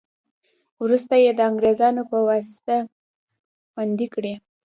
وروسته یې د انګرېزانو په واسطه خوندي کړې.